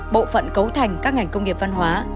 bộ phận cấu thành các ngành công nghiệp văn hóa